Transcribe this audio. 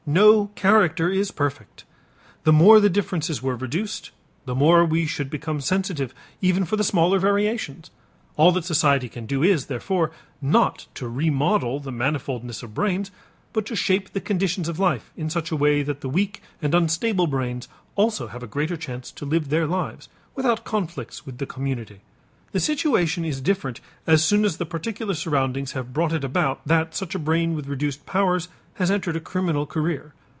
No character is perfect. The more the differences were reduced, the more we should become sensitive even for the smaller variations. All that society can do is, therefore, not to remodel the manifoldness of brains, but to shape the conditions of life in such a way that the weak and unstable brains also have a greater chance to live their lives without conflicts with the community. The situation is different as soon as the particular surroundings have brought it about that such a brain with reduced powers has entered a criminal career.